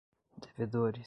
devedores